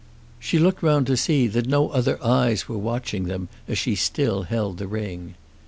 She looked round to see that no other eyes were watching them as she still held the ring.